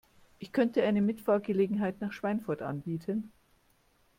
Ich könnte eine Mitfahrgelegenheit nach Schweinfurt anbieten